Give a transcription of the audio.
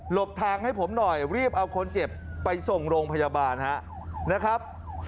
บทางให้ผมหน่อยรีบเอาคนเจ็บไปส่งโรงพยาบาลนะครับ